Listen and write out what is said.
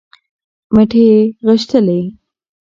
مټې یې غښتلې